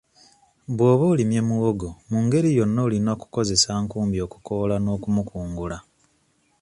Bw'oba olimye muwogo mu ngeri yonna olina kukozesa nkumbi okukoola n'okumukungula.